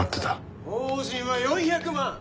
法人は４００万！